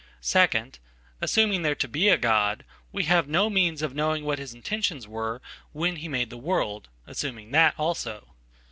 Second, assuming there to be a God, we have no means ofknowing what his intentions were when he made the world — assumingthat also.